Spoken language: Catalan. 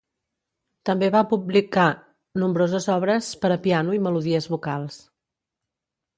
També va publicar nombroses obres per a piano i melodies vocals.